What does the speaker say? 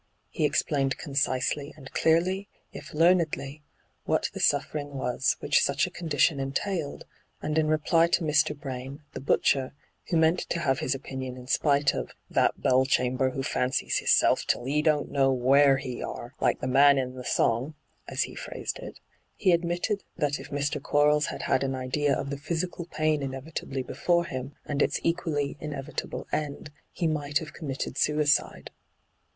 He explained concisely and clearly, if learnedly, what the suffering was which such a condition entailed, and in reply to Mr. Braine, the butcher — who meant to have his opinion in spite of ' that Belchamber, who fancies hiaself till 'e don't know where 'e are, like the man in the song,' as he phrased it — he admitted that' if Mr. Quarles had had an idea of the physical pain inevitably before him, and its equally inevitable end, he might have com mitted suicide.